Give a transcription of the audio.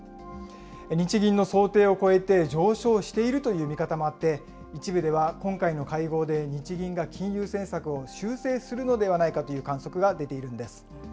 日銀の想定を超えて上昇しているという見方もあって、一部では今回の会合で、日銀が金融政策を修正するのではないかという観測が出ているんです。